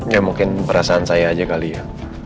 ya mungkin perasaan saya aja kali ya